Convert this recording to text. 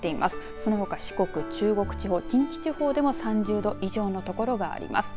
そのほか四国、中国、近畿地方でも３０度以上の所があります。